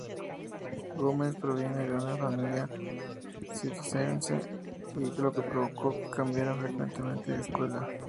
Gómez proviene de una familia circense lo que provocó que cambiara frecuentemente de escuela.